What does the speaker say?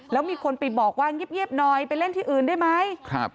แล้วมีคนไปบอกว่าเงียบหน่อยไปเล่นที่อื่นได้ไหม